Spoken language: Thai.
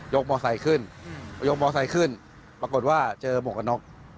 กมอไซค์ขึ้นพอยกมอไซค์ขึ้นปรากฏว่าเจอหมวกกันน็อก